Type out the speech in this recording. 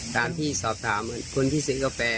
ตามที่สอบถามคนที่ซื้อกาแฟ